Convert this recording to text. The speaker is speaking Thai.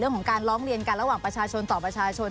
เรื่องของการร้องเรียนกันระหว่างประชาชนต่อประชาชน